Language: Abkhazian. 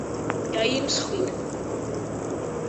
Иааимсхит.